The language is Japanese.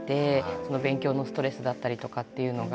その勉強のストレスだったりとかっていうのが。